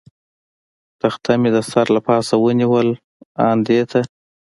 تخته مې د سر له پاسه ونیول، آن دې ته.